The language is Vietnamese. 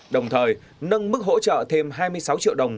đồng thời nâng mức hỗ trợ thêm hai mươi sáu triệu đồng